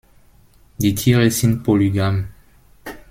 Die Tiere sind polygam.